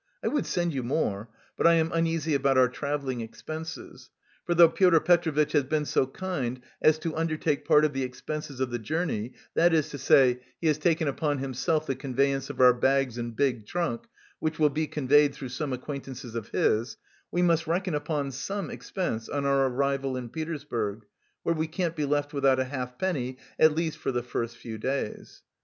I would send you more, but I am uneasy about our travelling expenses; for though Pyotr Petrovitch has been so kind as to undertake part of the expenses of the journey, that is to say, he has taken upon himself the conveyance of our bags and big trunk (which will be conveyed through some acquaintances of his), we must reckon upon some expense on our arrival in Petersburg, where we can't be left without a halfpenny, at least for the first few days.